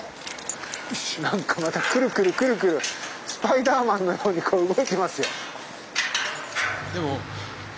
なんかまたクルクルクルクルスパイダーマンのようにこう動いてますよ。